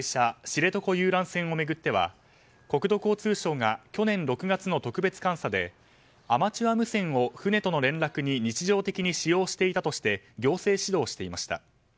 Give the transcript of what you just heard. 知床遊覧船を巡っては国土交通省が去年６月の特別監査でアマチュア無線を船との連絡に日常的に使用していたとして行政指導していました。